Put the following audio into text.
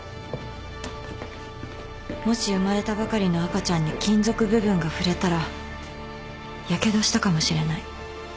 もし生まれたばかりの赤ちゃんに金属部分が触れたらやけどしたかもしれない。